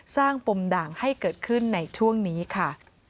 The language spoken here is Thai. ปมด่างให้เกิดขึ้นในช่วงนี้ค่ะ